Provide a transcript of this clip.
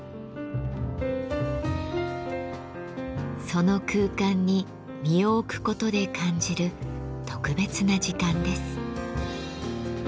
その空間に身を置くことで感じる特別な時間です。